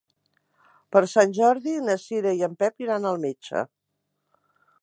Per Sant Jordi na Cira i en Pep iran al metge.